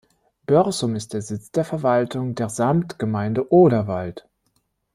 Börßum ist Sitz der Verwaltung der Samtgemeinde Oderwald.